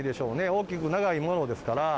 大きく長いものですから。